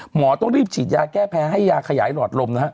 หมอต้องรีบฉีดยาแก้แพ้ให้ยาขยายหลอดลมนะฮะ